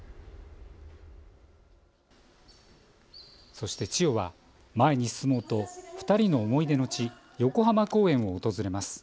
そして千代は前に進もうと２人の思い出の地横浜公園を訪れます。